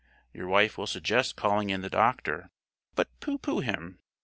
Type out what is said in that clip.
Your wife will suggest calling in the doctor, but pooh pooh him.